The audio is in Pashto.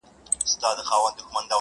زما فکر اولسي دے هم ملي دے